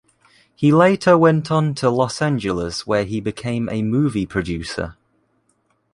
He later on went to Los Angeles where he became a movie producer.